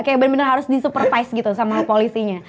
kayak bener bener harus disupervise gitu sama polisinya